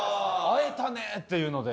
会えたねっていうので。